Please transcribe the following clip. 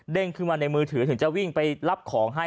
ขึ้นมาในมือถือถึงจะวิ่งไปรับของให้